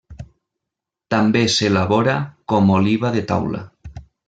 També s'elabora com oliva de taula.